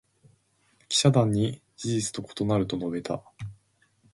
記者団に「事実と異なる」と述べた。